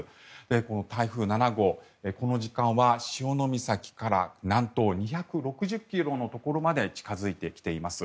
この台風７号、この時間は潮岬から南東２６０ｋｍのところまで近付いてきています。